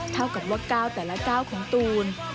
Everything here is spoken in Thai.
เท่ากับว่าก้าวแต่ละก้าวของตูน